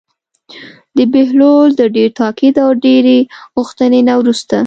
د بهلول د ډېر تاکید او ډېرې غوښتنې نه وروسته.